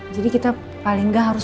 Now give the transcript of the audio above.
jadi kita paling gak harus